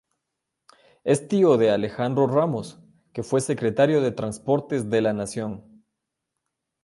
Es tío de Alejandro Ramos, que fue Secretario de Transportes de la Nación.